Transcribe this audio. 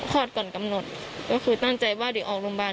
ก่อนกำหนดก็คือตั้งใจว่าเดี๋ยวออกโรงพยาบาล